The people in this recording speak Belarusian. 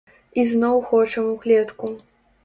І зноў хочам у клетку!